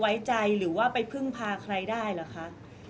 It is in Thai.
เวลาประชาชนเดือดร้อนต้องไปแจ้งความกับใครค่ะ